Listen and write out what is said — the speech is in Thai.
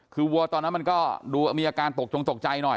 คือวัวตอนนั้นมันก็ดูมีอาการตกจงตกใจหน่อย